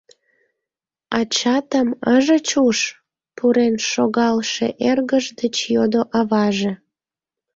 — Ачатым ыжыч уж? — пурен шогалше эргыж деч йодо аваже.